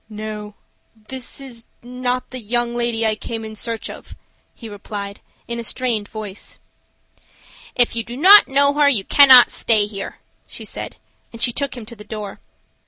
"No; this is not the young lady I came in search of," he replied, in a strained voice. "If you do not know her you cannot stay here," she said, and she took him to the door.